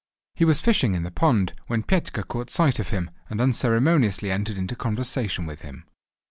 He was fishing in the pond, when Petka caught sight of him and unceremoniously entered into conversation with him.